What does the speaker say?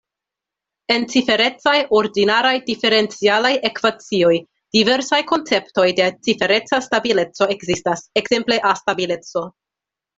En ciferecaj ordinaraj diferencialaj ekvacioj, diversaj konceptoj de cifereca stabileco ekzistas, ekzemple A-stabileco.